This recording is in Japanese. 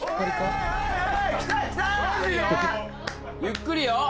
「ゆっくりよ」